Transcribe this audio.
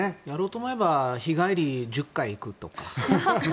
やろうと思えば日帰り１０回行くとか。